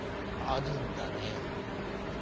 あるんだね。